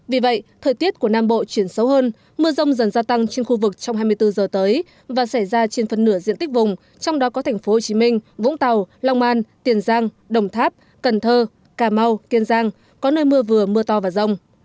vì vậy thời tiết của nam bộ chuyển xấu hơn mưa rộng dần gia tăng trên khu vực trong hai mươi bốn giờ tới và xảy ra trên phần nửa diện tích vùng trong đó có thành phố hồ chí minh vũng tàu long an tiền giang đồng tháp cần thơ cà mau kiên giang có nơi mưa vừa mưa to và rộng